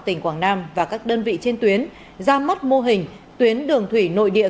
tỉnh quảng nam và các đơn vị trên tuyến ra mắt mô hình tuyến đường thủy nội địa